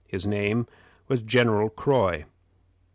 His name was General Croy.